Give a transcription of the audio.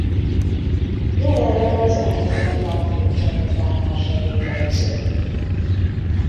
Jelenleg az Eintracht Frankfurt csapatánál segédedző.